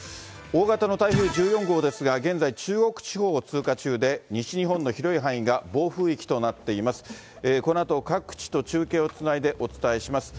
大型の台風１４号ですが、現在、中国地方を通過中で、西日本の広い範囲が暴風域となっています。